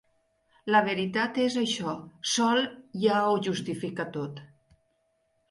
La veritat és això sol ja ho justifica tot.